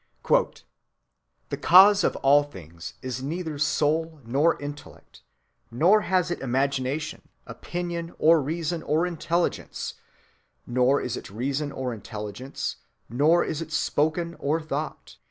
"The cause of all things is neither soul nor intellect; nor has it imagination, opinion, or reason, or intelligence; nor is it reason or intelligence; nor is it spoken or thought.